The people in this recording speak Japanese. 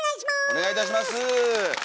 お願いいたします。